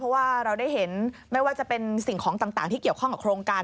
เพราะว่าเราได้เห็นไม่ว่าจะเป็นสิ่งของต่างที่เกี่ยวข้องกับโครงการ